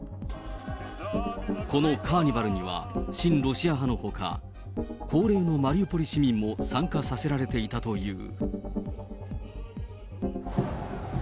このカーニバルには、親ロシア派のほか、高齢のマリウポリ市民も参加させられていたという。